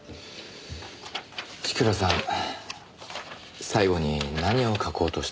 千倉さん最後に何を書こうとしたんでしょうね。